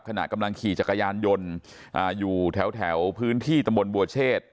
ขณะกำลังขี่จักรยานยนต์อยู่แถวพื้นที่ตำบลบัวเชษ